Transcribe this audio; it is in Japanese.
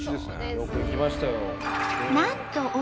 よく行きましたよ。